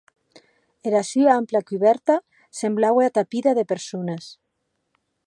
Era sua ampla cubèrta semblaue atapida de persones.